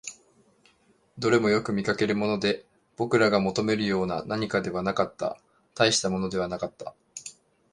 どれもよく見かけるもので、僕らが求めるような何かではなかった、大したものではなかった